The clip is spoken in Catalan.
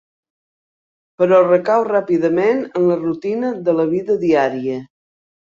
Però recau ràpidament en la rutina de la vida diària.